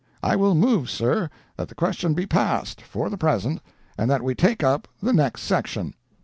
I will move, sir, that the question be passed, for the present, and that we take up the next section."